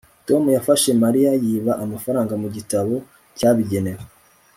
tom yafashe mariya yiba amafaranga mu gitabo cyabigenewe